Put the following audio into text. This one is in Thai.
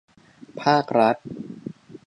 ภาครัฐ